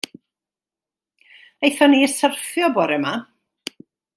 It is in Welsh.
Aethon ni i syrffio bora 'ma.